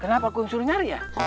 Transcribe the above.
kenapa aku yang suruh nyari ya